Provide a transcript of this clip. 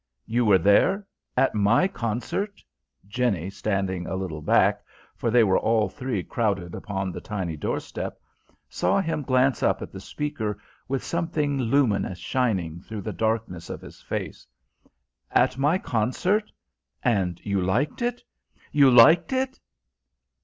"You were there at my concert!" Jenny, standing a little back for they were all three crowded upon the tiny door step saw him glance up at the speaker with something luminous shining through the darkness of his face. "At my concert ! And you liked it? You liked it?"